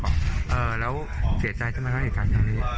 เออแล้วเสียใจใช่ไหมครับอีกครั้งนี้